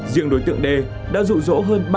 riêng đối tượng d đã rụ rỗ hơn ba trăm linh sinh viên